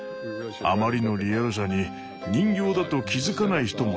あまりのリアルさに人形だと気付かない人もいたほどです。